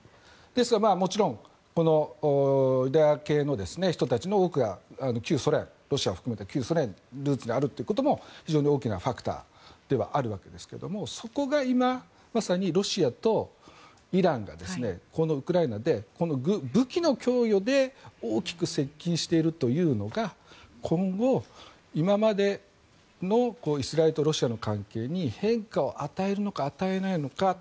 ですが、もちろんこのユダヤ系の人たちの多くが旧ソ連、ロシアを含めた旧ソ連にルーツがあるということも非常に大きなファクターではあるわけですがそこが今、まさにロシアとイランがこのウクライナで武器の供与で大きく接近しているというのが今後、今までのイスラエルとロシアの関係に変化を与えるのか与えないのか。